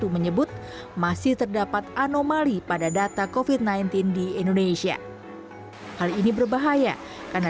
dua ribu dua puluh satu menyebut masih terdapat anomali pada data kofit sembilan belas di indonesia hal ini berbahaya karena